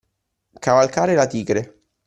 Cavalcare la tigre.